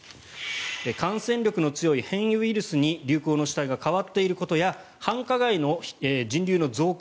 感染力の強い変異ウイルスに流行の主体が変わっていることや繁華街の人流の増加。